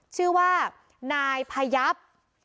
ชื่อว่านายพยับ